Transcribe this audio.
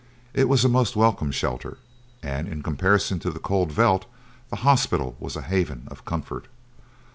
It was a most welcome shelter, and in comparison to the cold veldt the hospital was a haven of comfort.